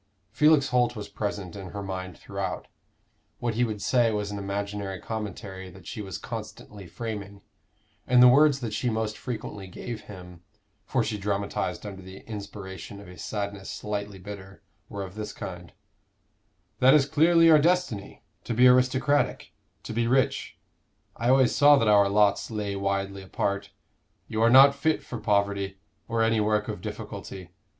Felix Holt was present in her mind throughout; what he would say was an imaginary commentary that she was constantly framing, and the words that she most frequently gave him for she dramatized under the inspiration of a sadness slightly bitter were of this kind: "That is clearly your destiny to be aristocratic, to be rich. I always saw that our lots lay widely apart. You are not fit for poverty, or any work of difficulty.